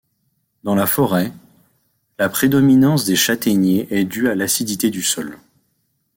Dans la forêt, la prédominance des châtaigniers est due à l'acidité du sol.